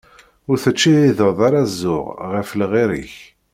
Ur tettcihhideḍ ara s ẓẓur ɣef lɣir-ik.